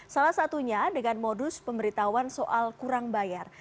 salah satunya dengan modus pemberitahuan soal kurang bayar